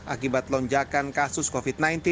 akibat lonjakan kasus covid sembilan belas